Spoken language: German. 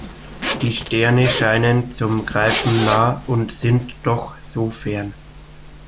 Die Sterne scheinen zum Greifen nah und sind doch so fern.